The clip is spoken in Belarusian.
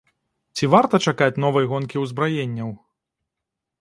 Ці варта чакаць новай гонкі ўзбраенняў?